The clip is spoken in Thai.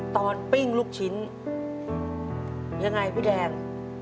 ปิ้งลูกชิ้นยังไงพี่แดง